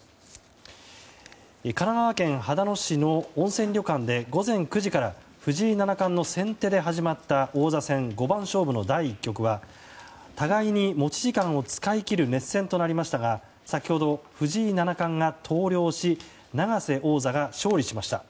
神奈川県秦野市の温泉旅館で午前９時から、藤井七冠の先手で始まった王座戦五番勝負の第１局は互いに持ち時間を使い切る熱戦となりましたが先ほど、藤井七冠が投了し永瀬王座が勝利しました。